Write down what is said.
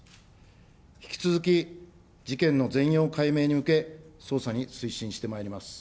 引き続き事件の全容解明に向け、捜査に推進してまいります。